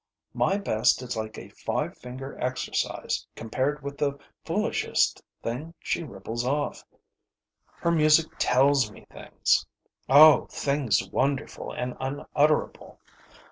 My best is like a five finger exercise compared with the foolishest thing she ripples off. Her music tells me things oh, things wonderful and unutterable.